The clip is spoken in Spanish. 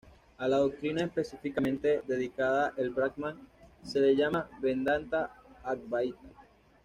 A la doctrina específicamente dedicada al Brahman se la llama "vedanta advaita".